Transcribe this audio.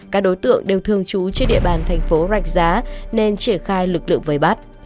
các đối tượng đều thường trú trên địa bàn thành phố rạch giá nên triển khai lực lượng vây bắt